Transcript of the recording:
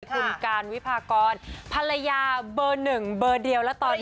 คุณการวิพากรภรรยาเบอร์หนึ่งเบอร์เดียวแล้วตอนนี้